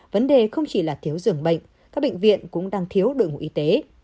vấn đề không chỉ là thiếu dường bệnh các bệnh viện cũng đang thiếu đội ngũ y tế